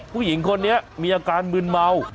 ผู้หญิงคนนี้มีอาการมืนเมา